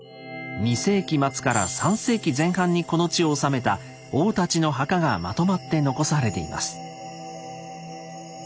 ２世紀末から３世紀前半にこの地を治めた王たちの墓がまとまって残されています。